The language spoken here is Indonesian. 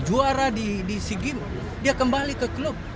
juara di sigim dia kembali ke klub